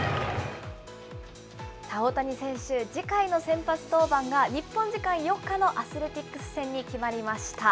大谷選手、次回の先発登板が、日本時間４日のアスレティックス戦に決まりました。